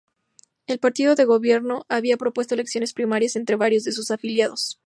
El partido de gobierno había propuesto elecciones primarias entre varios de sus afiliados.